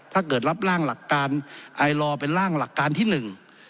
ถ้าเกิดรับร่างหลักการไอลอร์เป็นร่างหลักการที่หนึ่ง